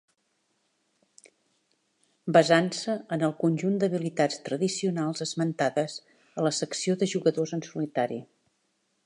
Basant-se en el conjunt d'habilitats tradicionals esmentades a la secció de jugadors en solitari.